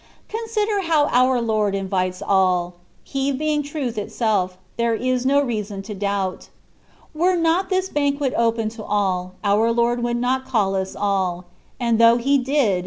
Con sider, how our Lord invites all; He being truth itself, there is no reason to doubt. Were not this banquet open to all, our Lord would not cajl us all ; and though He did.